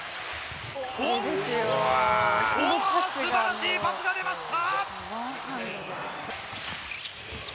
おー、すばらしいパスが出ました。